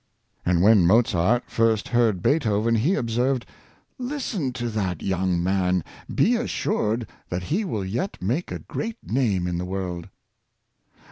And when Mozart first heard Beethoven, he observed: " Listen to that young man; be assured that he will yet make a great name in the world."